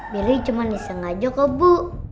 milih cuma disengaja kok bu